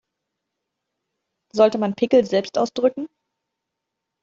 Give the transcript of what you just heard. Sollte man Pickel selbst ausdrücken?